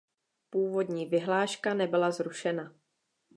Původní vyhláška nebyla zrušena.